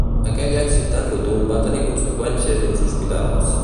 Aquell èxit tan rotund va tenir conseqüències insospitades.